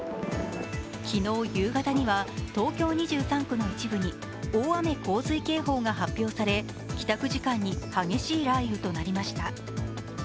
昨日夕方には東京２３区の一部に大雨洪水警報が発表され帰宅時間に激しい雷雨と鳴りました。